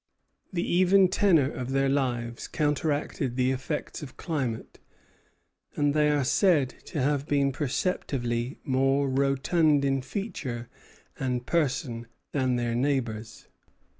The even tenor of their lives counteracted the effects of climate, and they are said to have been perceptibly more rotund in feature and person than their neighbors.